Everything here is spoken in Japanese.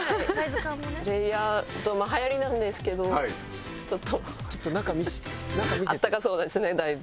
レイヤードまあはやりなんですけどちょっとあったかそうですねだいぶ。